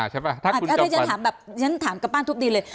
ถ้าถ้าฉันถามกับป้านทุบดีเลย